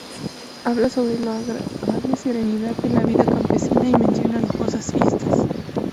Habla sobre la agradable serenidad de la vida campesina y menciona lujosas fiestas.